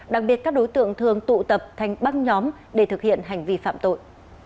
đặc biệt các đối tượng thường tụ tập thành băng nhóm để thực hiện hành vi phạm tội